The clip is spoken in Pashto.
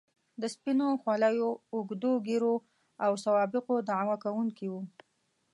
د سپینو خولیو، اوږدو ږیرو او سوابقو دعوه کوونکي وو.